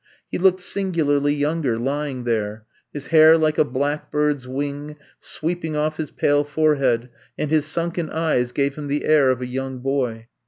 He looked singularly younger lying there; his hair like a black bird's wing sweeping off his pale forehead and his sunken eyes gave him the air of a young boy.